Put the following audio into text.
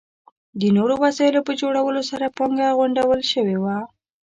د نویو وسایلو په جوړولو سره پانګه غونډول شوې وه.